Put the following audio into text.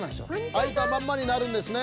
あいたまんまになるんですね。